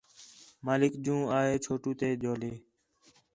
مالک جوں آ ہے چھوٹو تے جولے